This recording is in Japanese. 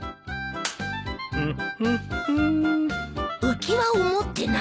浮輪を持ってない。